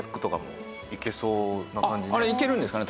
あっあれいけるんですかね？